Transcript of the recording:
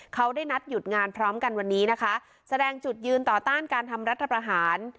เขาได้นัดหยุดงานพร้อมกันวันนี้นะคะแสดงจุดยืนต่อต้านการทำรัฐประหาร